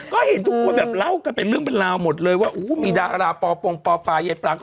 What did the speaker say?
ก็เห็นทุกคนแบบเล่ากันเป็นเรื่องบรรลาวน์หมดเลยว่ามีดาราปัง